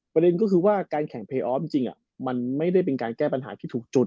ประเด็นก็คือว่าการแข่งเพลยออฟจริงมันไม่ได้เป็นการแก้ปัญหาที่ถูกจุด